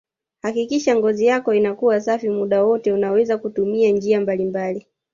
Hakikisha ngozi yako inakuwa safi muda wote unaweza kutumia njia mbalimbali